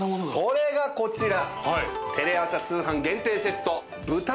それがこちら！